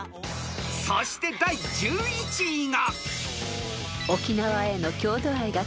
［そして第１１位が］